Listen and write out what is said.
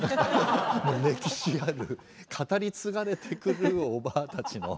歴史ある語り継がれてくるおばぁたちの。